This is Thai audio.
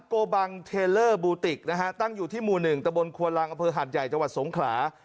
โกบังเทลเลอร์บูติกนะฮะตั้งอยู่ที่หมู่๑ตะบนครัวรังอำเภอหาดใหญ่จังหวัดสงขลา